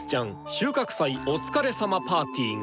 収穫祭お疲れさまパーティー」が。